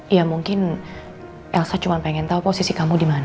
ya mungkin elsa cuma pengen tau posisi kamu dimana din